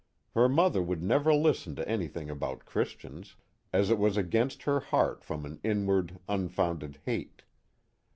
Her mother would never listen to anything about Christians, as it was against her heart from an inward un founded hate.